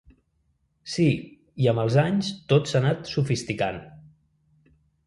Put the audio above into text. Sí, i amb els anys tot s’ha anat sofisticant.